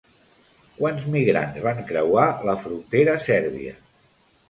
Quants migrants van creuar la frontera sèrbia?